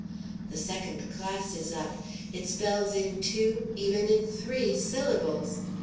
The second class is up. It spells in two, even in three, syllables.